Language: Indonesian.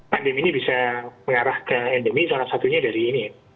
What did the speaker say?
pandemi ini bisa mengarah ke endemi salah satunya dari ini